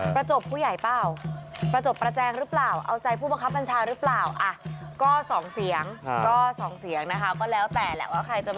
ประจบผู้ใหญ่เปล่าประจบประแจงหรือเปล่าเอาใจผู้บังคับบัญชาหรือเปล่า